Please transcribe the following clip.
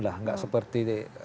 lah enggak seperti